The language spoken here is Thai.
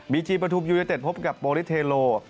บีจีปะทูปยูเนเต็ดพบกับโปรลิเธโร